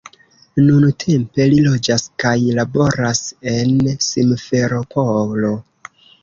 Nuntempe li loĝas kaj laboras en Simferopolo.